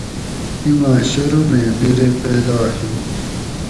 ایما شرومیں بِیرے پیدا ہی